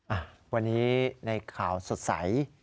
อ่ะวันนี้ในข่าวสดใส